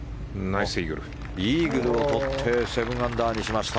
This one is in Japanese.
イーグルを取って７アンダーにしました。